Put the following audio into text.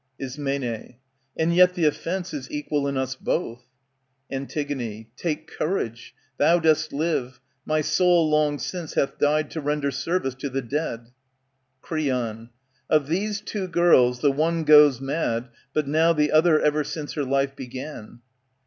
Ism, And yet the offence is equal in us both. Afitig, Take courage. Thou dost live. My soul long since Hath died to render service to the dead. ^^ Creon, Of these two girls, the one goes mad but now, The other ever since her life began.